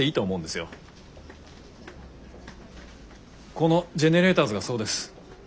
このジェネレーターズがそうです。